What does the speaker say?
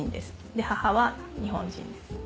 で母は日本人です。